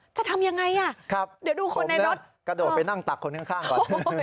จะทำยังไงอ่ะเดี๋ยวดูคนในรถครับผมเนี่ยกระโดดไปนั่งตับคนข้างก่อน